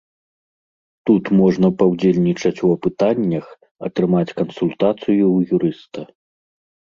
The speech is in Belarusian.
Тут можна паўдзельнічаць у апытаннях, атрымаць кансультацыю ў юрыста.